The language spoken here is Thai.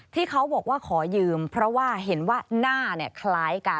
ที่เขาบอกว่าขอยืมเพราะว่าเห็นว่าหน้าคล้ายกัน